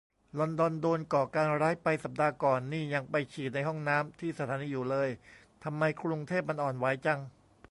ลอนดอนโดนก่อการร้ายไปสัปดาห์ก่อน นี่ยังไปฉี่ในห้องน้ำที่สถานีอยู่เลย ทำไมกรุงเทพมันอ่อนไหวจัง